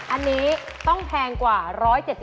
อันนี้ต้องแพงกว่า๑๗๐